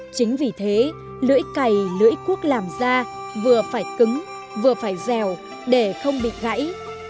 chính vì thế lưỡi cày lưỡi cuốc làm ra vừa phải cứng vừa phải rèo để không bị gãy